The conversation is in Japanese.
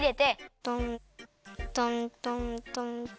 トントントントン。